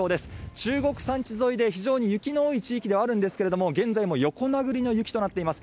中国山地沿いで非常に雪の多い地域ではあるんですけれども、現在も横殴りの雪となっています。